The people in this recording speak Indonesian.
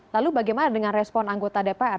lalu bagaimana dengan respon anggota dpr